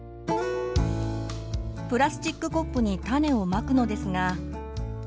プラスチックコップに種をまくのですが。